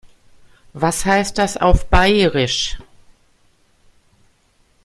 Was heißt das auf Bairisch?